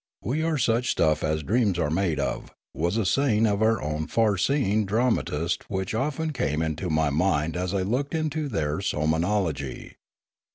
" We are such stuff as dreams are made of " was a saying of our own far seeing dramatist's which often came into my mind as I looked into their som nology.